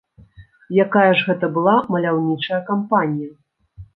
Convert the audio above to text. Якая ж гэта была маляўнічая кампанія!